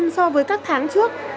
so với các tháng trước